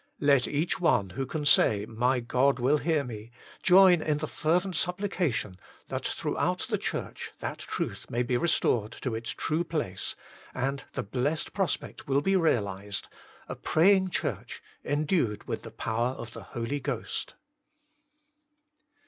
Let each one who can say, " My God will hear me" join in the fervent supplica tion, that throughout the Church that truth may be restored to its true place, and the blessed prospect will be realised: a praying Church endued with the power of the Holy Ghost.